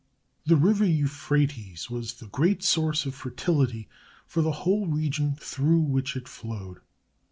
The river Euphrates was the great source of fertility for the whole region through which it flowed.